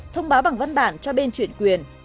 thông báo bằng văn bản cho bên chuyển quyền